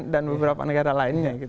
dan beberapa negara lainnya